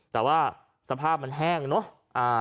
แต่ว่าสภาพมันแห้งเนอะ